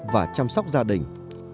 và chăm sóc gia đình